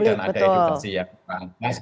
dan ada edukasi yang berangkas